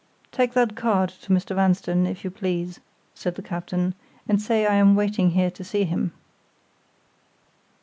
"Take that card to Mr. Vanstone, if you please," said the captain, "and say I am waiting here to see him."